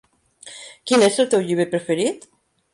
Quin és el teu llibre preferit?